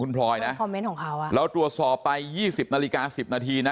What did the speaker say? คุณพลอยนะคอมเมนต์ของเขาแล้วตัวสอบไป๒๐นาฬิกา๑๐นาทีนะ